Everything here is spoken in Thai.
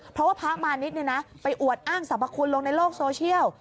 เพราะว่าพระมานิดไปอวดอ้างสรรพคุณลงในโลกโซเชียล